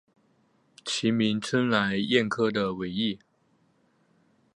其名称来燕科的尾翼。